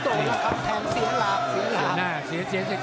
เสียงหลัง